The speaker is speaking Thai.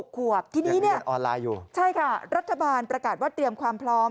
๖ขวบทีนี้ใช่ค่ะรัฐบาลประกาศว่าเตรียมความพร้อม